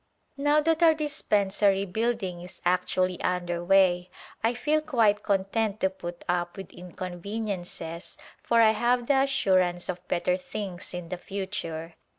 Now that our dispensary building is actually under way I feel quite content to put up with inconve niences for I have the assurance of better things in the future.